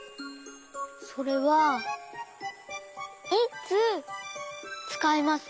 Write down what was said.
それはいつつかいますか？